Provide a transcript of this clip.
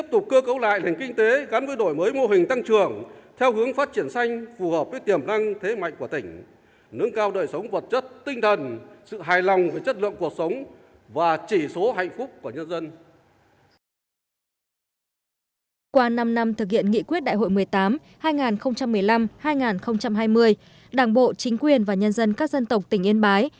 qua năm năm thực hiện nghị quyết đại hội một mươi tám hai nghìn một mươi năm hai nghìn hai mươi đảng bộ chính quyền và nhân dân các dân tộc tỉnh yên bái